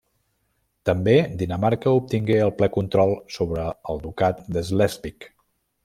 També, Dinamarca obtingué el ple control sobre el ducat de Slesvig.